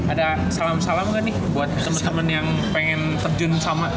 ada salam salam nggak nih buat temen temen yang pengen terjun sama